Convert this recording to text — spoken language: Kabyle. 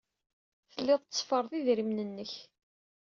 Telliḍ tetteffreḍ idrimen-nnek.